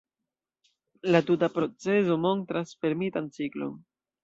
La tuta procezo montras fermitan ciklon.